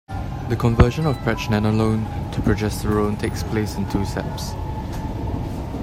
The conversion of pregnenolone to progesterone takes place in two steps.